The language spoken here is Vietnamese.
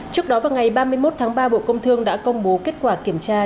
trước đó vào ngày ba mươi một tháng ba bộ công thương đã công bố kết quả kiểm tra